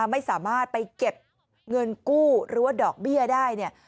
ไม่สามารถไปเก็บเงินกู้หรือว่าดอกเบี้ยได้เนี่ย